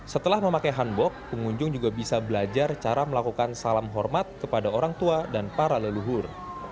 setelah memakai hanbok pengunjung juga bisa belajar cara melakukan salam hormat kepada orang tua dan para leluhur